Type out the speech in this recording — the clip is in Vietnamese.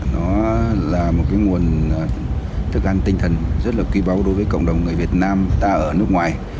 nó là một nguồn thực hành tinh thần rất kỳ báu đối với cộng đồng người việt nam ta ở nước ngoài